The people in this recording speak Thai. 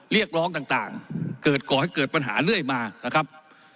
เรียกร้องต่างเกิดก่อให้เกิดปัญหาเรื่อยมานะครับ